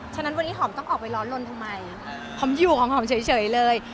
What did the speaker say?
ฉะนั้นวันนี้หอมต้องออกไปร้อนลนทำไมหอมอยู่ของหอมเฉยเลย